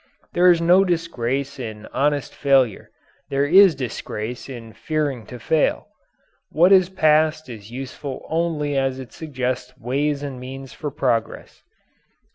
There is no disgrace in honest failure; there is disgrace in fearing to fail. What is past is useful only as it suggests ways and means for progress.